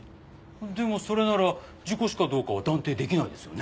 でもそれなら事故死かどうかは断定出来ないですよね？